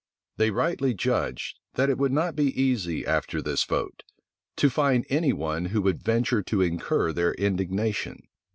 They rightly judged, that it would not be easy, after this vote, to find any one who would venture to incur their indignation.